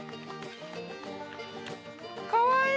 かわいい。